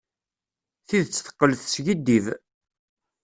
Tidet teqqel teskiddib.